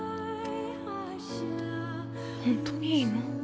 本当にいいの？